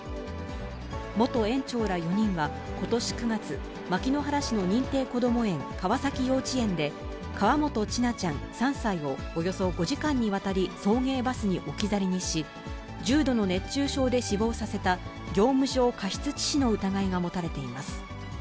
元園長ら４人は、ことし９月、牧之原市の認定こども園、川崎幼稚園で、河本千奈ちゃん３歳を、およそ５時間にわたり、送迎バスに置き去りにし、重度の熱中症で死亡させた業務上過失致死の疑いが持たれています。